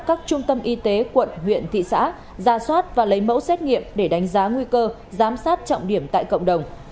các trung tâm y tế quận huyện thị xã ra soát và lấy mẫu xét nghiệm để đánh giá nguy cơ giám sát trọng điểm tại cộng đồng